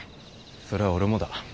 それは俺もだ。